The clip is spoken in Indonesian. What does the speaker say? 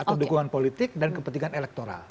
atau dukungan politik dan kepentingan elektoral